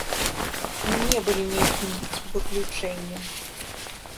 Мы не былі нейкім выключэннем.